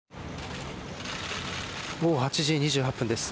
午後８時２８分です。